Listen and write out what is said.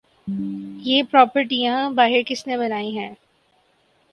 یہ پراپرٹیاں باہر کس نے بنائی ہیں؟